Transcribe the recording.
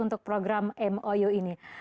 untuk program mou ini